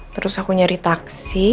terus aku nyari taksi